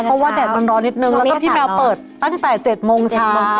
เพราะว่าแดดมันร้อนนิดนึงแล้วก็พี่แมวเปิดตั้งแต่๗โมงเช้า